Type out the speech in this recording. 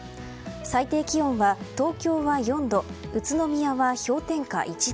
最低気温は東京は４度宇都宮は氷点下１度。